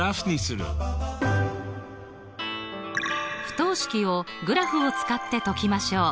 不等式をグラフを使って解きましょう。